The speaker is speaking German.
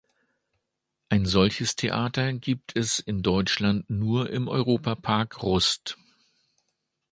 Ein solches Theater gibt es in Deutschland nur im Europa-Park Rust.